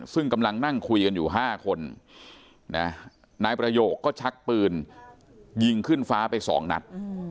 ซึ่งกำลังนั่งคุยกันอยู่๕คนนายประโยคก็ชักปืนยิงขึ้นฟ้าไป๒นัด